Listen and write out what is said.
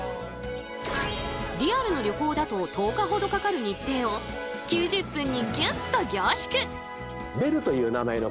リアルの旅行だと１０日ほどかかる日程を９０分にギュッと凝縮！